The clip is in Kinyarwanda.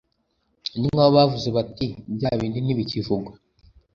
ni nkaho bavuze bati «byabindi ntibikivugwa